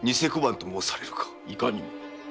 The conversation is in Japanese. いかにも。